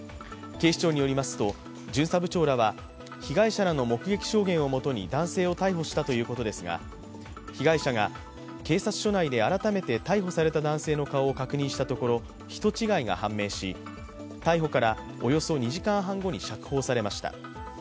警視庁によりますと巡査部長らは被害者らの目撃証言をもとに男性を逮捕したということですが、被害者が警察署内で改めて逮捕された男性の顔を確認したところ、人違いが判明し、逮捕からおよそ２時間半後に釈放されました。